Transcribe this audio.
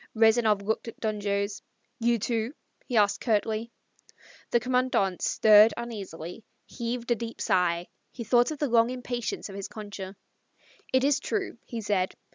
Rezanov looked at Don Jose. "You, too?" he asked curtly. The Commandante stirred uneasily, heaved a deep sigh; he thought of the long impatience of his Concha. "It is true," he said.